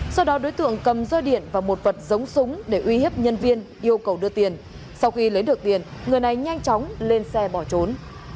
sau đó đối tượng cầm roi điện và một vật giống súng để uy hiếp nhân viên yêu cầu đưa tiền sau khi lấy được tiền người này nhanh chóng lên xe bỏ trốn